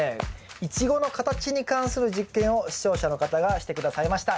イチゴの形に関する実験を視聴者の方がして下さいました。